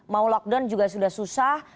mau lockdown juga sudah susah